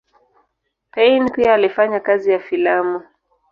Payn pia alifanya kazi ya filamu.